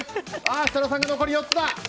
設楽さんが残り４つだ。